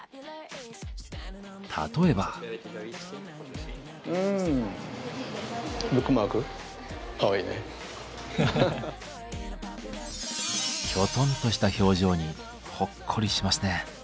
例えば。きょとんとした表情にほっこりしますね。